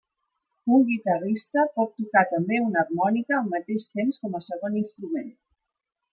Un guitarrista pot tocar també una harmònica al mateix temps com a segon instrument.